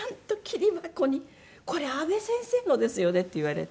「これ阿部先生のですよね？」って言われて。